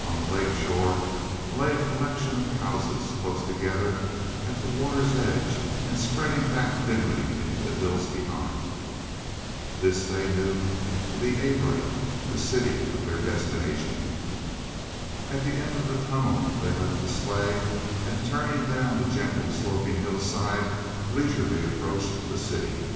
On the lake shore lay a collection of houses, close together, at the water's edge and spreading back thinly into the hills behind. This they knew to be Arite the city of their destination. At the end of the tunnel they left the sleigh, and, turning down the gentle sloping hillside, leisurely approached the city.